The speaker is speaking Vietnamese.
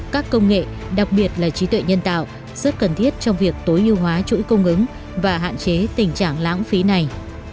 các công nghệ đặc biệt là trí tuệ nhân tạo rất cần thiết trong việc tối ưu hóa chuỗi cung ứng và hạn chế tình trạng lãng phí này